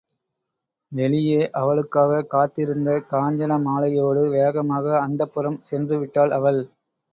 வெளியே அவளுக்காகக் காத்திருந்த காஞ்சனமாலையோடு வேகமாக அந்தப்புரம் சென்றுவிட்டாள் அவள்.